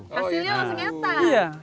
hasilnya langsung nyetar